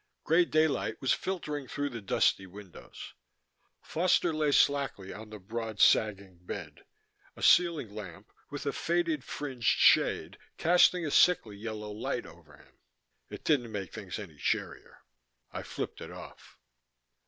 Grey daylight was filtering through the dusty windows. Foster lay slackly on the broad sagging bed, a ceiling lamp with a faded fringed shade casting a sickly yellow light over him. It didn't make things any cheerier; I flipped it off.